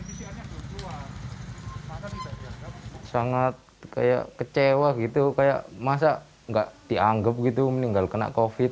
pemkot malang mengatakan bahwa mereka tidak bisa menangkap orang yang sudah meninggal karena covid sembilan belas